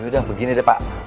yaudah begini deh pak